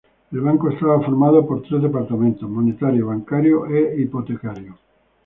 El banco estaba formado por tres departamentos: monetario, bancario e hipotecario.